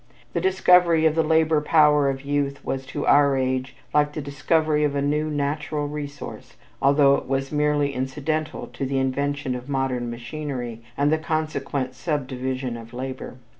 The discovery of the labor power of youth was to our age like the discovery of a new natural resource, although it was merely incidental to the invention of modern machinery and the consequent subdivision of labor.